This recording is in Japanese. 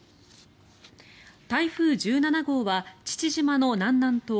台風１７号は父島の南南東